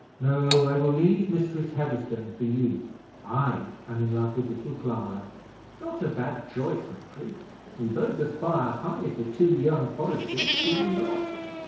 No! I will leave Mistress Heatherstone for you; I am in love with little Clara." "Not a bad choice, Humphrey: we both aspire high, for two young foresters, do we not?